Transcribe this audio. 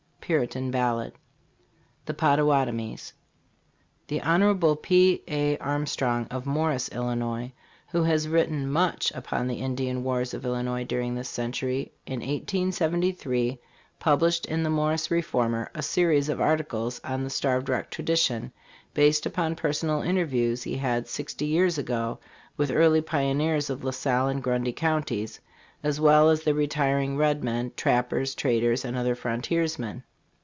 Puritan Ballad. THE POTTAWATOMIES THE Hon. P. A. Armstrong, of Morris, 111., who has written much upon the Indian wars of Illinois during this century, in 1873 published in the Morris Reformer a series of articles on the Starved Rock tradition, based upon personal interviews had sixty years ago with early pioneers of La Salle and Grundy counties, as well as the retiring red men, trappers, traders and other frontiersmen.